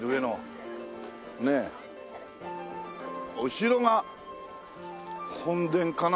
後ろが本殿かな？